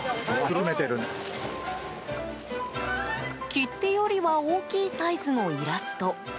切手よりは大きいサイズのイラスト。